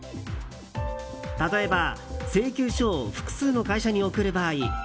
例えば、請求書を複数の会社に送る場合